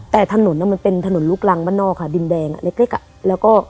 แต่ถนนมันเป็นถนนลูกรังบ้านนอกค่ะดินแดงเล็กอ่ะแล้วก็